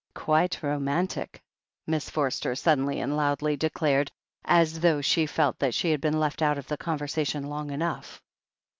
"Quite romantic," Miss Forster suddenly and loudly declared, as though she felt that she had been left out of the conversation long enough.